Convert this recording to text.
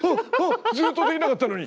ずっとできなかったのに。